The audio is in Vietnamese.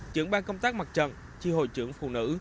trưởng ban công tác mặt trận tri hội trưởng phụ nữ